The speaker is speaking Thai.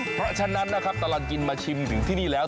เพราะฉะนั้นนะครับตลอดกินมาชิมถึงที่นี่แล้ว